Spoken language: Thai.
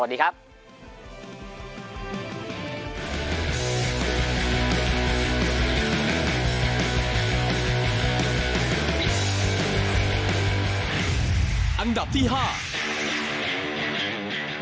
สวัสดีครับ